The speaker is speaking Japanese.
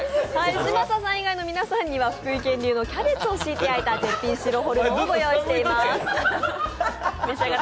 嶋佐さん以外の皆さんには福井県流のキャベツを焼いた絶品白ホルモンをご用意しています。